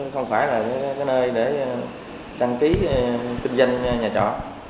không phải là cái nơi để đăng ký kinh doanh nhà chọ